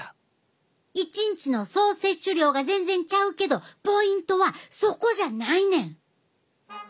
一日の総摂取量が全然ちゃうけどポイントはそこじゃないねん！